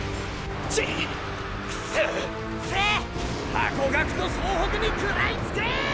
ハコガクと総北に食らいつけ！